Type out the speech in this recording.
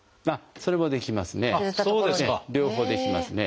それもできますね。